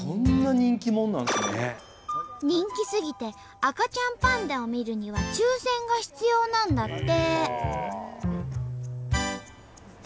人気すぎて赤ちゃんパンダを見るには抽せんが必要なんだって。